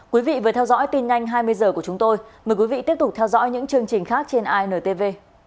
quý vị vừa theo dõi tin nhanh hai mươi h của chúng tôi mời quý vị tiếp tục theo dõi những chương trình khác trên intv